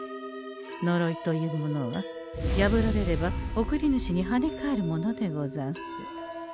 のろいというものは破られれば送り主にはね返るものでござんす。